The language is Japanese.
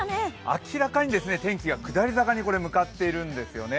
明らかに天気が下り坂に向かっているんですよね。